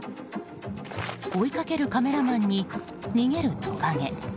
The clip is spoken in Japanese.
追いかけるカメラマンに逃げるトカゲ。